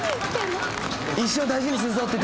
「一生大事にするぞ」って。